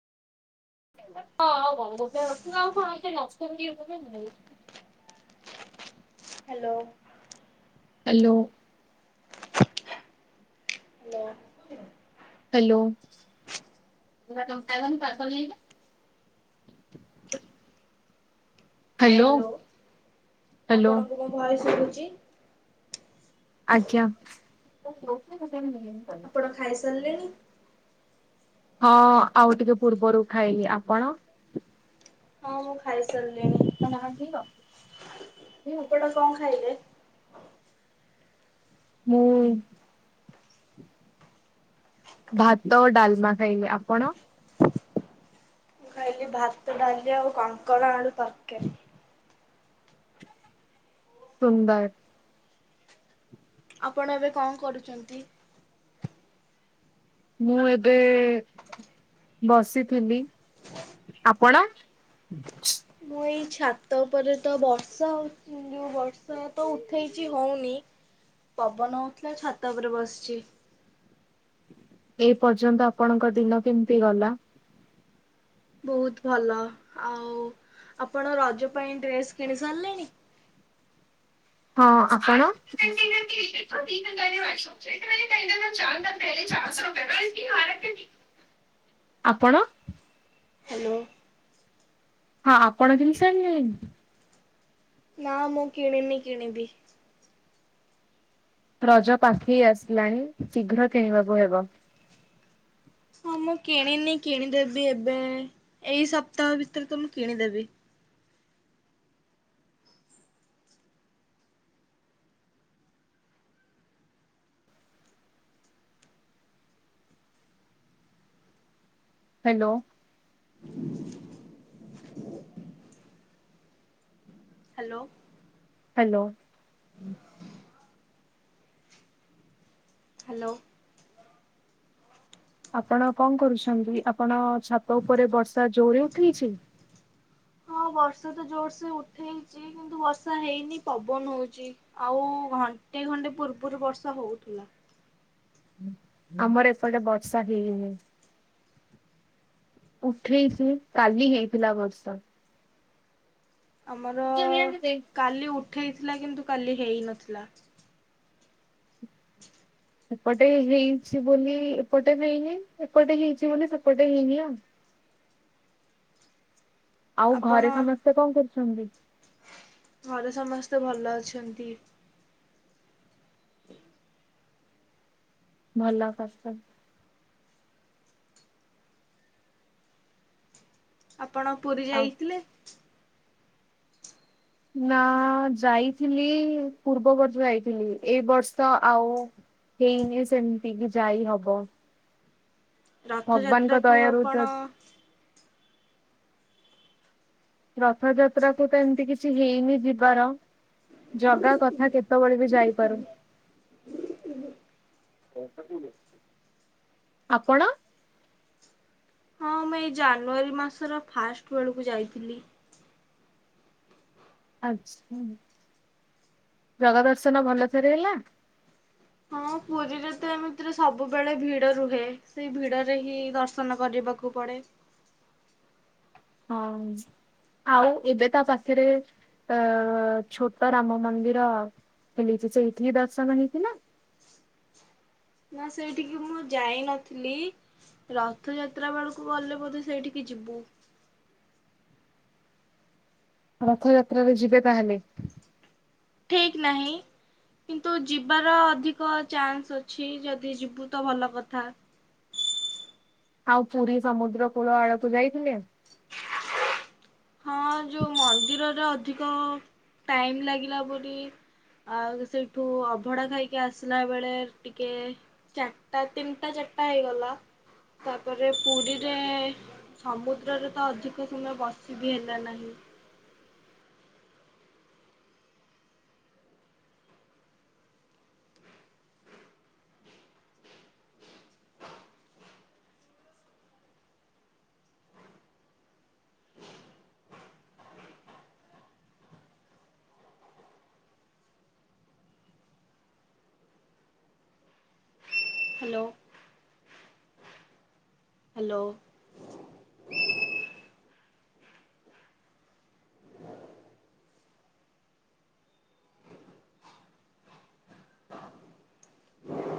ହଁ କ ନ ଦ [unintelligible] hello. Hello. Hello. Hello. Hello hello ଆପଣଙ୍କୁ ମୋ ଭଏସ୍‌ ସୁବୁଚି। ଆଜ୍ଞା। ଆପଣ ଖାଇ ସାରିଲେଣି। ହଁ ଆଉ ଟିକେ ପୂର୍ବରୁ ଖାଇବି ଆପଣ ହଁ ମୁଁ ଖାଇ ସାରିଲିଣି। ତମେ ଆସିବ। ଆପଣ କଣ ଖାଇଲେ। ମୁଁ ଭାତ ଡାଲମା ଖାଇଲି ଆପଣ ମୁଁ ଖାଇଲି ଭାତ ଡାଲି ଆଉ କାଙ୍କଡ ଆଳୁ ତରକାରି। ସୁନ୍ଦର। ଆପଣ ଏବେ କଣ କରୁଚନ୍ତି। ମୁଁ ଏବେ ବସିଥିଲି ଆପଣ ମୁଁ ଏଇ ଛାତ ଉପରେ ତ ବର୍ଷା ଉଁ ଯୋଉ ବର୍ଷା ତ ଉଠେଇଚି ହଉନି। ପବନ ହଉଥିଲା ଛାତ ଉପରେ ବସିଛି। ଏଇ ପର୍ଯ୍ୟନ୍ତ ଆପଣଙ୍କ ଦିନ କେମିତି ଗଲା। ବହୁତ୍ ଭଲ ଆଉ ଆପଣ ରଜ ପାଇଁ ଡ୍ରେସ୍ କିଣି ସାରିଲେଣି। ହଁ ଆପଣ ଆପଣ। ହ୍ୟାଲୋ। ହଁ ଆପଣଙ୍କ ଜିନିଷ ଆଣିଲୋ ନି? ନା ମୁଁ କିଣିନି କିଣବି। ରଜ ପାଖେଇ ଆସିଲାଣି ଶୀଘ୍ର କିଣିବାକୁୁ ହେବ। ହଁ ମୁଁ କିଣିନି କିଣିଦେବି ଏବେ ଏଇ ସପ୍ତାହ ଭିତରେ ତ ମୁଁ କିଣିଦେବି। ହାଲୋ। ହାଲୋ। ହାଲୋ। ହାଲୋ। ଆପଣ କଣ କରୁଛନ୍ତି ଆପଣ ଛାତ ଉପରେ ବର୍ଷା ଜୋରେ ଉଠେଇଛି? ହଁ ବର୍ଷା ତ ଜୋରସ ଉଠେଇଚି କିନ୍ତୁ ବର୍ଷା ହେଇନି ପବନ ହଉଚି। ଆଉ ଘଣ୍ଟେ ଖଣ୍ଡେ ପୂର୍ବରୁ ବର୍ଷା ହଉଥିଲା। ଆମର ଏପଟେ ବର୍ଷା ହେଇନି। ଉଠେଇ ଚି କାଲି ହେଇଥିଲା ବର୍ଷା। ଆମର କାଲି ଉଠେଇଥିଲା କିନ୍ତୁ କାଲି ହେନଥିଲା। ଏପଟେ ହେଇଛି ବୋଲି ଏପଟେ ହେଇନି ଏପଟେ ହେଇଛି ବୋଲି ସେପଟେ ହେଇନି ଆଉ। ଆଉ ଘରେ ଆପଣ ସମସ୍ତେ କଣ କରୁଛନ୍ତି? ଘରେ ସମସ୍ତେ ଭଲ ଅଛନ୍ତି। ଭଲ ପସ୍। ଆପଣ ପୁରୀ ଆଉ ଯାଇଥିଲେ? ନା ଯାଇଥିଲି ପୂର୍ବବର୍ଷ ଯାଇଥିଲି ଏଇ ବର୍ଷ ଆଉ ହେଇନି ସେମିତି କି ଯାଇ ହବ। ଭଗବାନଙ୍କ ରଥଯାତ୍ରାକୁ ଦୟାରୁ ଯ ଆପଣ ରଥଯାତ୍ରା କୁ ତ ଏମିତି କିଛି ହେଇନି ଯିବାର। ଜଗା କଥା କେତେବେଳେ ବି ଯାଇପାରୁ। ଆପଣ? ହଁ ମୁଁ ଏଇ ଜାନୁଆରୀ ମାସର ଫାଷ୍ଟ ବେଳକୁୁ ଯାଇଥିଲି। ଆଛା ଜଗା ଦର୍ଶନ ଭଲ ଥରେ ହେଲା? ହଁ ପୁରୀରେ ତ ଏମିତିରେ ସବୁବେଳେ ଭିଡ ରୁହେ ସେଇ ଭିଡରେ ହିଁ ଦର୍ଶନ କରିବାକୁ କୁ ପଡ଼େ। ହଁ। ଆଉ ଏବେ ତା ପାଖରେ ଅ ଛୋଟ ରାମ ମନ୍ଦିର। ହେଲେସେ ଚୈଧୁରି ଦର୍ଷନ ହେଇଥିଲା। ମୁଁ ସେଇଠିକି ମୁଁ ଯାଇନଥିଲି। ରଥଯାତ୍ରା ବୋଳୁକୁ ଗଲେ ବୋଧେ ସେଇଠିକି ଯିବୁ। ରଥଯାତ୍ରାରେ ଯିବେ ତାହେଲେ? ଠିକି୍ ନାହିଁ। କିନ୍ତୁ ଯିବାର ଅଧିକ ଚାନ୍ସ୍ ଅଛି ଯଦି ଯିବୁ ତ ଭଲ କଥା। ଆଉ ପୁରୀ ସମୁଦ୍ର କୂଳ ଆଡକୁ ଯାଇଥିଲେ? ହଁ ଯୋଉ ମନ୍ଦିରର ଅଧିକ ଟାଇମ୍ ଲାଗିଲା ବୋଧେ। ଆଉ ସେଇଠୁ ଅଭଢା ଖାଇକି ଆସିଲା ବେଳେ ଟିକେ ଚାରିଟା ତିନିଟା ଚାରିଟା ହେଇଗଲା। ତା ପରେ ପୁରୀରେ ସମୁଦ୍ରରେ ତ ଅଧିକ ସମୟ ବସ କିଛି ବି ହେଲା ନାହିଁ। Hello hello. [inaudible]